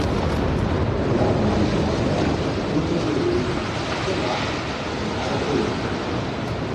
The other main towns are Putaruru, Tirau and Arapuni.